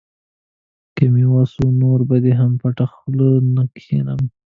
که مې وس و، نور به هم پټه خوله نه کښېنم.